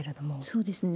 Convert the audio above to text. そうですね。